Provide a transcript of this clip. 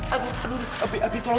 aduh aduh abi abi tolong